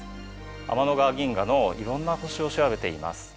天の川銀河のいろんな星を調べています。